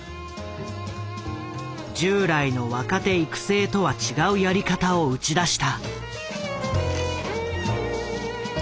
従来の若手育成とは違うやり方を打ち出した。